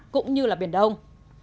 cũng như là biển đông